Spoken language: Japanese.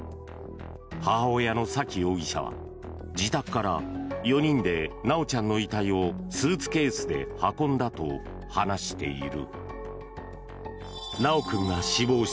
母親の沙喜容疑者は自宅から４人で修ちゃんの遺体をスーツケースで運んだと話している。